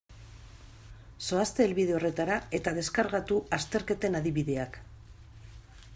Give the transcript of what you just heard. Zoazte helbide horretara eta deskargatu azterketen adibideak.